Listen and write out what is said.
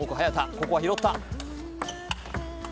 ここは拾った。